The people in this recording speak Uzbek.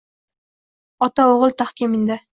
Otao’g’il taxtga mindi